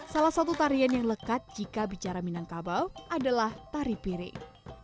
salah satu tarian yang lekat jika bicara minangkabau adalah tari piring